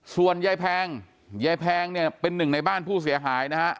ส่วนยายแพงยายแพงเนี่ยเป็นหนึ่งในบ้านผู้เสียหายนะฮะ